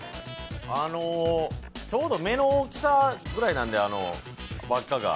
ちょうど目の大きさぐらいなんで、輪っかが。